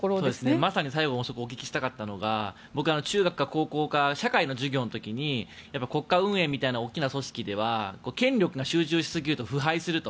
まさに最後お聞きしたかったのが僕は中学か高校か社会の授業の時に国家運営みたいな大きな組織では権力が集中しすぎると腐敗すると。